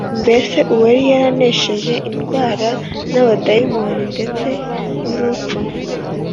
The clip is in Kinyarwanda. mbese uwari yaranesheje indwara n’abadayimoni ndetse n’urupfu,